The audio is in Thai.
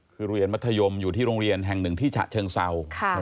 คือเรียนมัธยมอยู่ที่โรงเรียนแห่งหนึ่งที่ฉะเชิงเศร้า